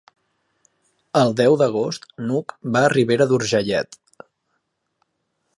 El deu d'agost n'Hug va a Ribera d'Urgellet.